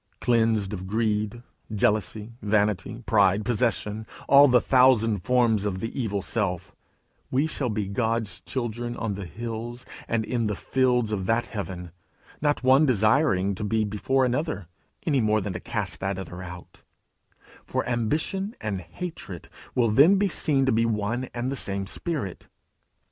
Cleansed of greed, jealousy, vanity, pride, possession, all the thousand forms of the evil self, we shall be God's children on the hills and in the fields of that heaven, not one desiring to be before another, any more than to cast that other out; for ambition and hatred will then be seen to be one and the same spirit.